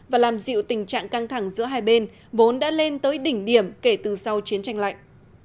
và làm dịu tình trạng căng thẳng giữa hai bên vốn đã lên tới đỉnh điểm kể từ sau chiến tranh lạnh